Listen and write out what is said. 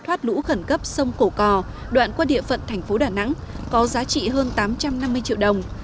thoát lũ khẩn cấp sông cổ cò đoạn qua địa phận thành phố đà nẵng có giá trị hơn tám trăm năm mươi triệu đồng